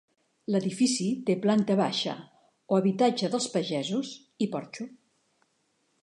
L’edifici té planta baixa, o habitatge dels pagesos, i porxo.